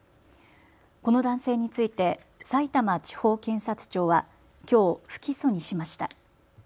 この男性についてさいたま地方検察庁はきょう不起訴にしました。